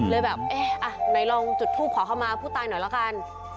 เลยแบบเอ๊ะอ่ะไหนลองจุดทูปขอเข้ามาผู้ตายหน่อยละกัน